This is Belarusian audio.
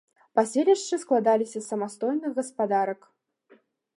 Паселішчы складаліся з самастойных гаспадарак.